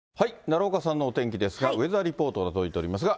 奈良岡さんのお天気ですが、ウェザーリポートが届いておりますが。